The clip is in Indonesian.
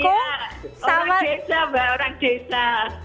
iya orang desa mbak orang desa